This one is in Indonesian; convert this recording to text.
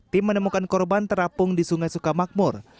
tim menemukan korban terapung di sungai sukamakmur